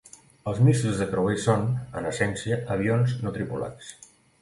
Els míssils de creuer són, en essència, avions no tripulats.